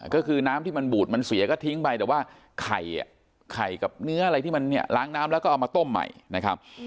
ก็คือน้ำที่มันบูดมันเสียก็ทิ้งไปแต่ว่าไข่ไข่กับเนื้ออะไรที่มันเนี่ยล้างน้ำแล้วก็เอามาต้มใหม่นะครับ